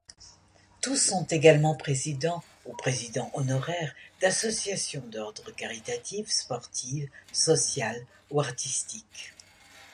Tous sont également présidents ou présidents honoraires d'associations d'ordre caritatives, sportives, sociales ou artistiques.